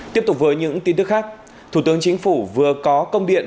tiếp tục với những tin tức khác thủ tướng chính phủ vừa có công điện